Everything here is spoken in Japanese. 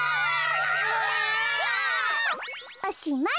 おしまい。